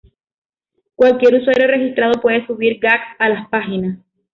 Cualquier usuario registrado puede subir gags a la página.